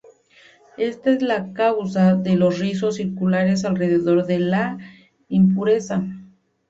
Esta es la causa de los rizos circulares alrededor de la impureza.